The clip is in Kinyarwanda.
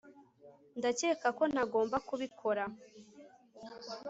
ndakeka ko ntagomba kubikora